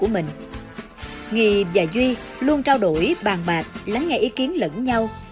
mặt lắng nghe ý kiến lẫn nhau